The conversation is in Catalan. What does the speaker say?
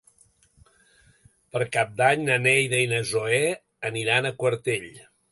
Per Cap d'Any na Neida i na Zoè aniran a Quartell.